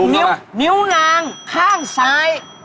นิ้วนางข้างซ้าย